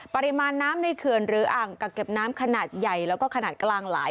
ปริมาณน้ำในเขื่อนหรืออ่างกักเก็บน้ำขนาดใหญ่แล้วก็ขนาดกลางหลาย